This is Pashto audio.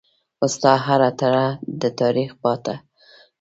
ستا هره تړه دتاریخ پاڼه ده